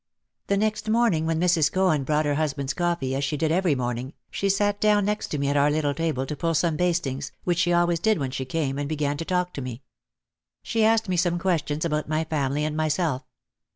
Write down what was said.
The next morning when Mrs. Cohen brought her hus band's coffee, as she did every morning, she sat down next to me at our little table to pull some bastings, which she always did when she came, and began to talk to me. She asked me some questions about my family and my self.